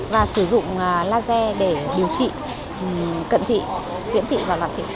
và sử dụng laser để điều trị cận thị viễn thị và loạt thị